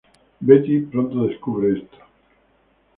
Betty pronto descubre esto.